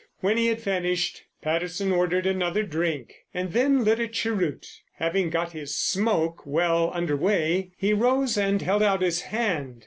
When he had finished Patterson ordered another drink, and then lit a cheroot. Having got his "smoke" well under way he rose and held out his hand.